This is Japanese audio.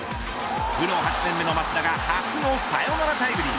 プロ８年目の増田が初のサヨナラタイムリー。